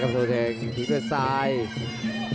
เตวเทงที่ด้วยไซส์